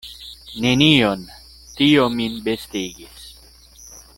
Nenion; tio min bestigis.